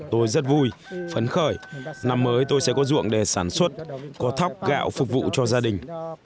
tôi rất vui phấn khởi năm mới tôi sẽ có ruộng để sản xuất có thóc gạo phục vụ cho gia đình